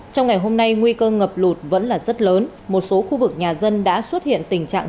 trong ngày hôm nay nguy cơ ngập lụt vẫn là rất lớn một số khu vực nhà dân đã xuất hiện tình trạng